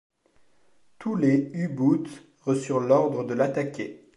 Tous les U-Boote reçurent l'ordre de l'attaquer.